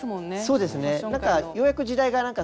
そうですねはい。